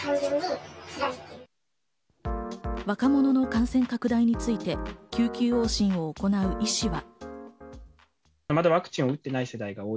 若者の感染拡大について救急往診行う医師は。